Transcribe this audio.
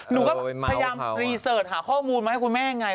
หนูก็พยายามรีเสิร์ตหาข้อมูลมาให้คุณแม่ไง